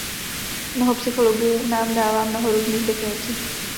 Mnoho psychologů nám dává mnoho různých definicí.